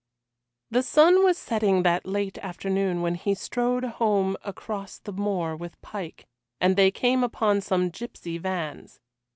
The sun was setting that late afternoon when he strode home across the moor with Pike, and they came upon some gipsy vans.